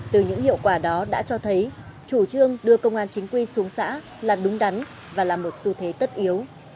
từ những hiệu quả đó đã cho thấy chủ trương đưa công an chính quy xuống xã là đúng đắn và là một xu thế tất yếu